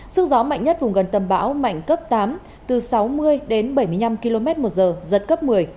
sức gió mạnh nhất vùng gần tâm bão mạnh cấp tám từ sáu mươi đến bảy mươi năm km một giờ giật cấp một mươi